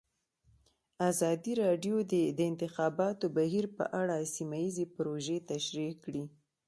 ازادي راډیو د د انتخاباتو بهیر په اړه سیمه ییزې پروژې تشریح کړې.